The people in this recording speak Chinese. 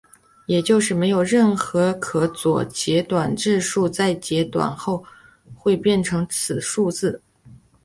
也就是没有任何可左截短质数在截短后会变成此数字。